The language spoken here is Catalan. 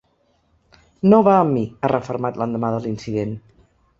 No va amb mi, ha refermat l’endemà de l’incident.